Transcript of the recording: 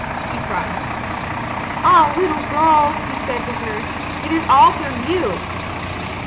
He cried. "Ah, little girl," he said to her, "it is all through you!"